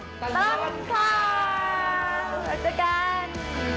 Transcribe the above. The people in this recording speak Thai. ตลอดภาพจับจับกัน